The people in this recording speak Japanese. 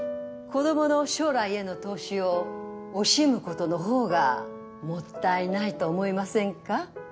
子供の将来への投資を惜しむことの方がもったいないと思いませんか？